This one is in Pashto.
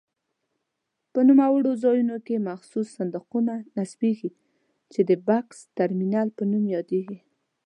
په نوموړو ځایونو کې مخصوص صندوقونه نصبېږي چې د بکس ترمینل په نوم یادیږي.